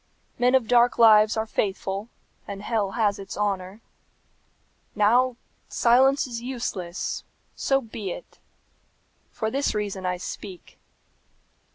Men of dark lives are faithful, and hell has its honour. Now silence is useless. So be it! For this reason I speak.